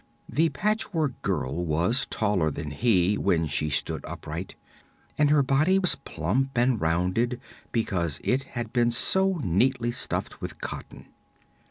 The Patchwork Girl was taller than he, when she stood upright, and her body was plump and rounded because it had been so neatly stuffed with cotton.